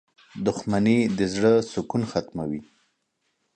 • دښمني د زړۀ سکون ختموي.